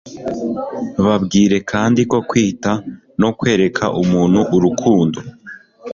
babwire kandi ko kwita no kwereka umuntu urukundo